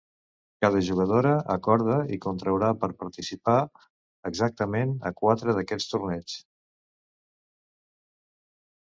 Cada jugadora acorda i contraurà per participar exactament a quatre d'aquests torneigs.